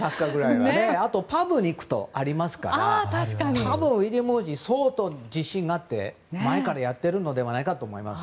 あとパブに行くとありますからウィリアム皇太子は相当、自信があって前からやってるのではないかと思います。